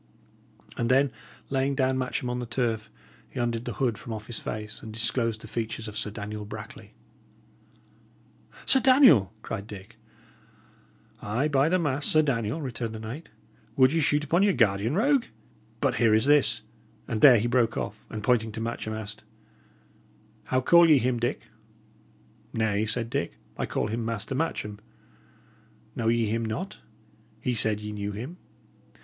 And then laying down Matcham on the turf, he undid the hood from off his face, and disclosed the features of Sir Daniel Brackley. "Sir Daniel!" cried Dick. "Ay, by the mass, Sir Daniel!" returned the knight. "Would ye shoot upon your guardian, rogue? But here is this" And there he broke off, and pointing to Matcham, asked: "How call ye him, Dick?" "Nay," said Dick, "I call him Master Matcham. Know ye him not? He said ye knew him!"